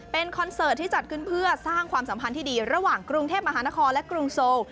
เป็นคอนเสิร์ตที่จัดขึ้นเพื่อสร้างความสัมพันธ์ที่ดีระหว่างกรุงเทพมหานครและกรุงโซล